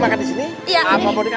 makan di sini dong